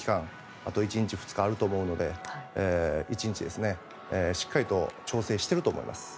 あと１日あると思うのでしっかりと調整していると思います。